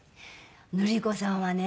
ルリ子さんはね